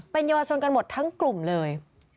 เป็นเยาวชนกันหมดทั้งกลุ่มเลย